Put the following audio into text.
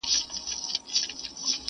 زر له مسو څخه باسې جادو ګر یې.!